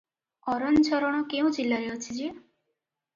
ଅରନଝରଣ କେଉଁ ଜିଲ୍ଲାରେ ଅଛି ଯେ?